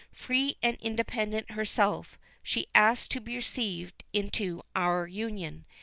Free and independent herself, she asks to be received into our Union.